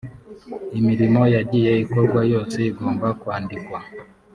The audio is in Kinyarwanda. imirimo yagiye ikorwa yose igomba kwandikwa